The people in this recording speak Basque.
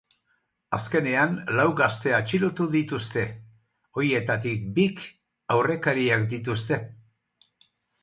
Azkenean, lau gazte atxilotu dituzte, horietatik bik, aurrekariak dituzte.